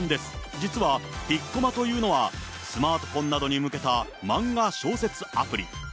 実はピッコマというのは、スマートフォンなどに向けた漫画・小説アプリ。